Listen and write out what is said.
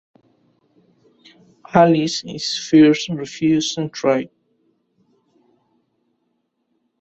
Alice is first refused entry.